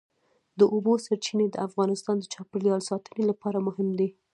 د اوبو سرچینې د افغانستان د چاپیریال ساتنې لپاره مهم دي.